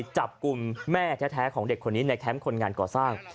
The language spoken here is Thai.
จับกลุ่มแม่แท้ของเด็กคนนี้ในแคมป์คนงานก่อสร้าง